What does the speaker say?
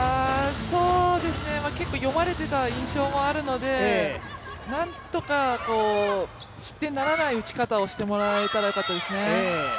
結構読まれていた印象もあるのでなんとか失点にならない打ち方をしてもらえたらよかったですね。